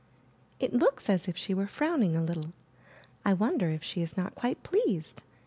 *Tt looks as if she were frowning a little. I won der if she is not quite pleased?''